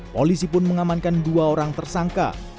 polisi pun mengamankan dua orang tersangka